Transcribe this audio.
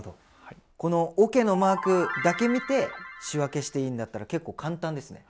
このおけのマークだけ見て仕分けしていいんだったら結構簡単ですね。